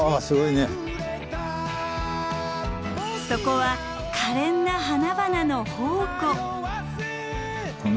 そこはかれんな花々の宝庫。